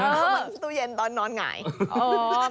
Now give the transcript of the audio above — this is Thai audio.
เท่าแบบตู้เย็นตอนนอนไหง